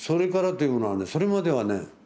それまではね